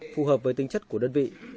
phù hợp với tính chất của đơn vị